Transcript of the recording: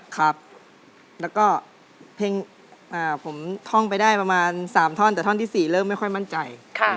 ครับแล้วก็เพลงผมท่องไปได้ประมาณ๓ท่อนแต่ท่อนที่๔เริ่มไม่ค่อยมั่นใจ